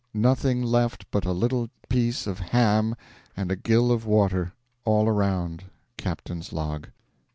Nothing left but a little piece of ham and a gill of water, all around. Captain's Log.